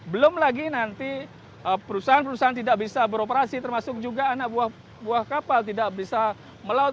belum lagi nanti perusahaan perusahaan tidak bisa beroperasi termasuk juga anak buah kapal tidak bisa melaut